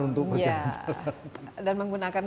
untuk berjalan jalan dan menggunakan